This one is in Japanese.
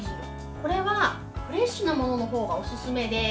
これはフレッシュなもののほうがおすすめです。